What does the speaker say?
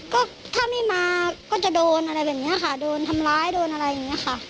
ก็ถ้าไม่มาก็จะโดนอะไรแบบนี้ค่ะโดนทำร้ายโดนอะไรอย่างนี้ค่ะ